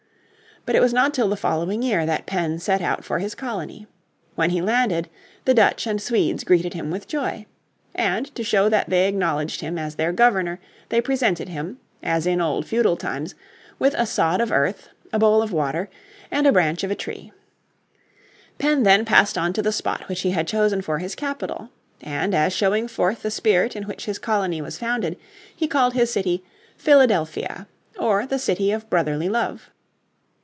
But it was not till the following year that Penn set out for his colony. When he landed the Dutch and Swedes greeted him with joy. And to show that they acknowledged him as their Governor they presented him, as in old feudal times, with a sod of earth, a bowl of water, and a branch of a tree. Penn then passed on to the spot which he had chosen for his capital. And as showing forth the spirit in which his colony was founded, he called his city Philadelphia or the city of brotherly love.